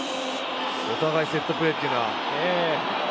お互いセットプレーというのは。